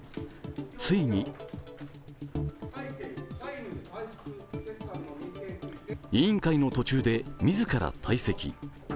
ついに委員会の途中で自ら退席。